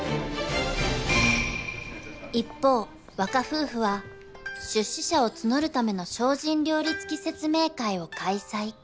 ［一方若夫婦は出資者を募るための精進料理付き説明会を開催］